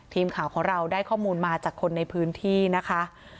ทีมข่าวของเราได้ข้อมูลมาจากคนในพื้นที่นะคะ